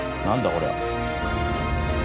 こりゃ。